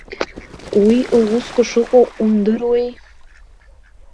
Уи лусқәа шыҟоу умдыруеи?